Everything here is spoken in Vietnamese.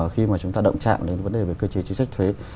khi mà chúng ta động trạng đến vấn đề về cơ chế chính sách thuế